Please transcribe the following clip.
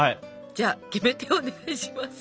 じゃあキメテお願いします。